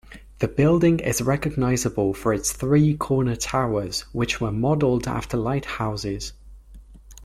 The building is recognizable for its three corner towers, which were modeled after lighthouses.